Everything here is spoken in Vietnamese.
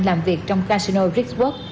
làm việc trong casino ritzburg